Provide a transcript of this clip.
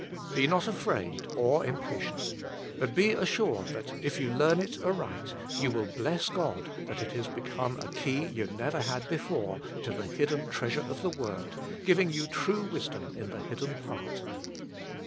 Be not afraid or impatient; but be assured that if you learn it aright, you will bless God that it has become a key you never had before, to the hidden treasure of the word, giving you true wisdom in the hidden part.